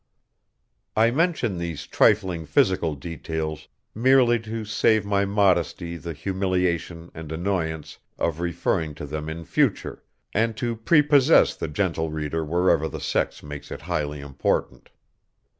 I mention these trifling physical details merely to save my modesty the humiliation and annoyance of referring to them in future, and to prepossess the gentle reader wherever the sex makes it highly important.